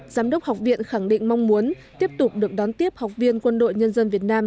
giám đốc học viện khẳng định mong muốn tiếp tục được đón tiếp học viên quân đội nhân dân việt nam